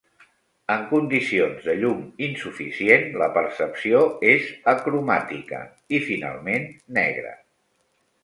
En condicions de llum insuficient, la percepció és acromàtica i finalment, negra.